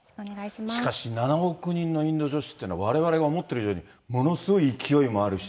しかし、７億人のインド女子ってのは、われわれが思ってる以上にものすごい勢いもあるし。